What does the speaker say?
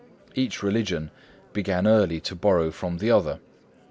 Each religion began early to borrow from the other.